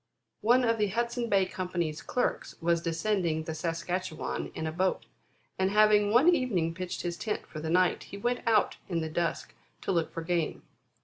One of the Hudson Bay Company's clerks was descending the Saskatchewan in a boat, and having one evening pitched his tent for the night, he went out in the dusk to look for game.